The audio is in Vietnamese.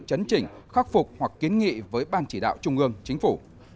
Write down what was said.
chấn chỉnh khắc phục hoặc kiến nghị với ban chỉ đạo trung ương chính phủ